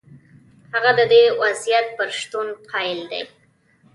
هغه د دې وضعیت پر شتون قایل دی.